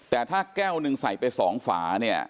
แต่ถ้าแก้วหนึ่งใส่ไป๒ฝาเนี่ย